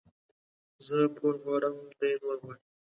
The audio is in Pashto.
زه پور غواړم ، دى نور غواړي.